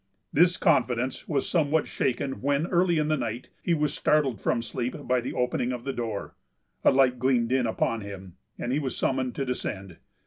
This confidence was somewhat shaken when, early in the night, he was startled from sleep by the opening of the door. A light gleamed in upon him, and he was summoned to descend.